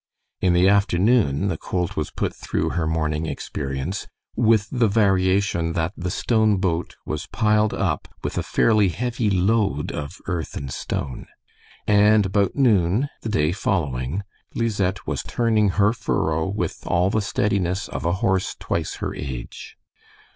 In the afternoon the colt was put through her morning experience, with the variation that the stone boat was piled up with a fairly heavy load of earth and stone. And about noon the day following, Lisette was turning her furrow with all the steadiness of a horse twice her age.